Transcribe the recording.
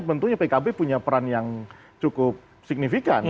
tentunya pkb punya peran yang cukup signifikan